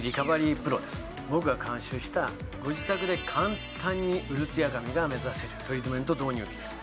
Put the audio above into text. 僕が監修したご自宅で簡単に潤ツヤ髪が目指せるトリートメント導入器です